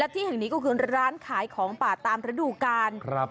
ที่แห่งนี้ก็คือร้านขายของป่าตามฤดูกาล